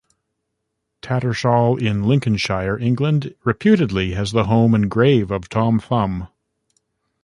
Tattershall in Lincolnshire, England, reputedly has the home and grave of Tom Thumb.